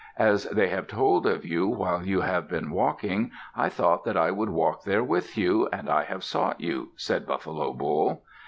As they have told of you while you have been walking, I thought that I would walk there with you, and I have sought you," said Buffalo Bull.